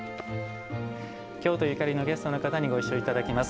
京都ゆかりのゲストの方にご一緒いただきます。